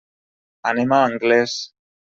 Anem a Anglès.